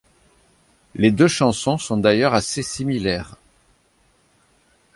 Les deux chansons sont d'ailleurs assez similaires.